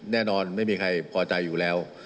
แน่นอนไม่มีใครพอใจอยู่แล้ว